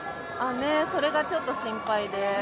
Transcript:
それがちょっと心配で。